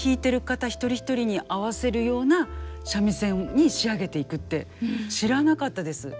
一人一人に合わせるような三味線に仕上げていくって知らなかったです。